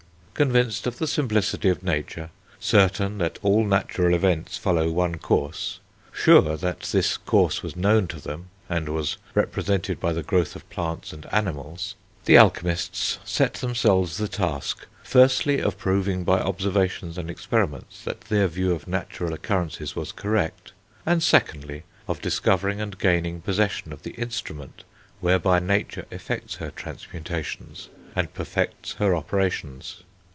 Convinced of the simplicity of nature, certain that all natural events follow one course, sure that this course was known to them and was represented by the growth of plants and animals, the alchemists set themselves the task, firstly, of proving by observations and experiments that their view of natural occurrences was correct; and, secondly, of discovering and gaining possession of the instrument whereby nature effects her transmutations and perfects her operations.